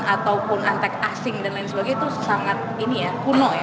ataupun antek asing dan lain sebagainya itu sangat ini ya kuno ya